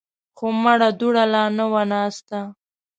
خو مړه دوړه لا نه وه ناسته.